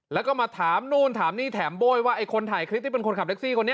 แล้วก็มาถามนู่นถามนี่แถมโบ้ยว่าไอ้คนถ่ายคลิปที่เป็นคนขับแท็กซี่คนนี้